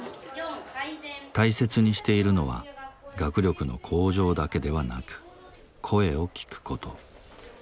大切にしているのは学力の向上だけではなく声を聞くこと。